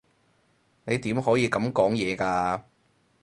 你點可以噉講嘢㗎？